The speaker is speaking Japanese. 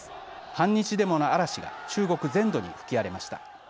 反日デモの嵐が中国全土に吹き荒れました。